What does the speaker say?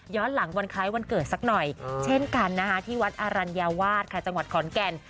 ย้อนหลังวันคล้ายวันเกิดสักหน่อยเช่นกันที่วัดอารัญวาสจังหวัดขอนแก่น